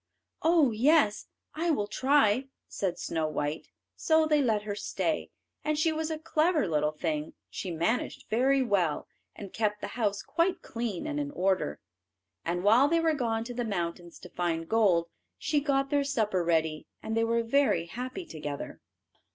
"Oh yes, I will try," said Snow white. So they let her stay, and she was a clever little thing. She managed very well, and kept the house quite clean and in order. And while they were gone to the mountains to find gold, she got their supper ready, and they were very happy together.